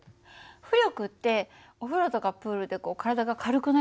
浮力ってお風呂とかプールで体が軽くなる感じ？